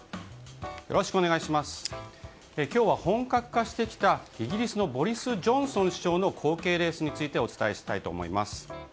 今日は本格化してきたイギリスのボリス・ジョンソン首相の後継レースについてお伝えしたいと思います。